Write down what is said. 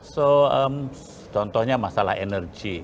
so contohnya masalah energi